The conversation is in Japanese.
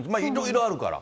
いろいろあるから。